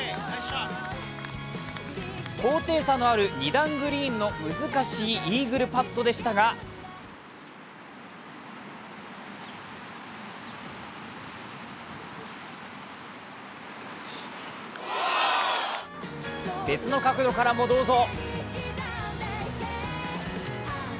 高低差のある２段グリーンの難しいイーグルパットでしたが別の角度からもどうぞ。